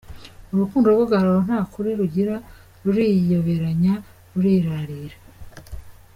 Urukundo rw’agahararo nta kuri rugira, ruriyoberanya, rurirarira.